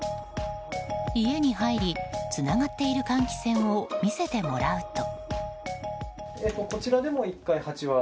家に入りつながっている換気扇を見せてもらうと。